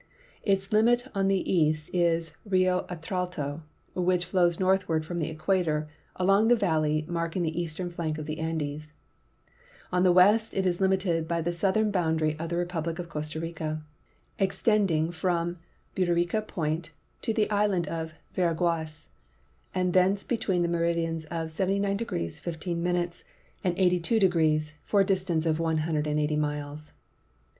Its limit on the east is Rio Atrato, which flows northward from the equator along the valley marking the eastern flank of the Andes ; on the west it is limited b}' the southern boundary of the republic of Costa Rica, extending from Burica Point to the island of Veraguas and thence between the meridians of 79° 15' and 82° for a distance of 180 miles.